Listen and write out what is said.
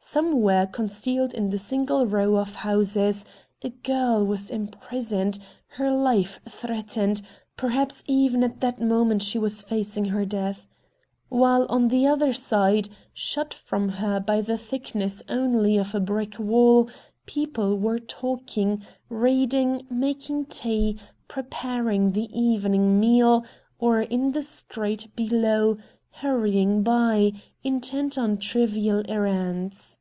Somewhere concealed in the single row of houses a girl was imprisoned, her life threatened; perhaps even at that moment she was facing her death. While, on either side, shut from her by the thickness only of a brick wall, people were talking, reading, making tea, preparing the evening meal, or, in the street below, hurrying by, intent on trivial errands.